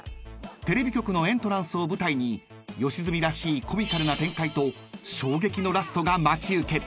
［テレビ局のエントランスを舞台に吉住らしいコミカルな展開と衝撃のラストが待ち受ける］